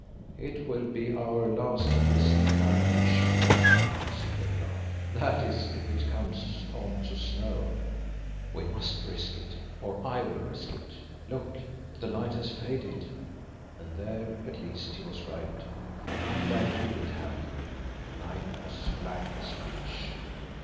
"It will be our last in this incarnation," I answered with a laugh, "that is if it comes on to snow." "We must risk it, or I will risk it. Look, the light has faded;" and there at least he was right, for undoubtedly it had. The night was as black as pitch.